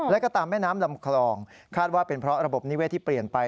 แล้วก็ตามแม่น้ำลำคลองคาดว่าเป็นเพราะระบบนิเวศที่เปลี่ยนไป